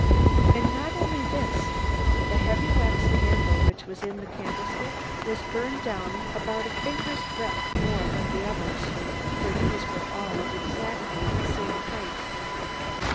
And not only this. The heavy wax candle which was in the candlestick was burned down about a finger's breadth more than the others, for these were all exactly of a height.